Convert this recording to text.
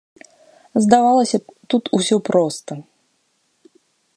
Здавалася б, тут усё проста.